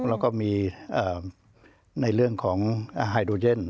แล้วก็มีในเรื่องของไฮโดเย็น